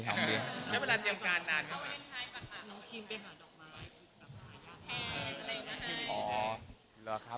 เป็นการหาเข็มของไฟครับ